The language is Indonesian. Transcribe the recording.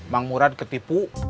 mang murad ketipu